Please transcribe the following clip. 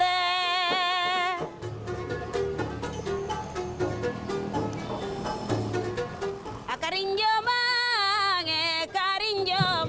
akan kering jauh akan kering jauh